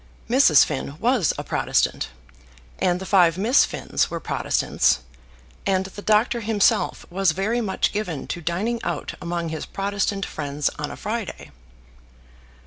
Mrs. Finn was a Protestant, and the five Miss Finns were Protestants, and the doctor himself was very much given to dining out among his Protestant friends on a Friday.